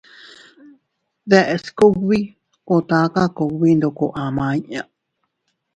Deʼes kugbi o taka kugbi ndoko ama inña.